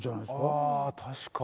ああ確かに。